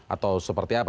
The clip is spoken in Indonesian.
atau seperti apa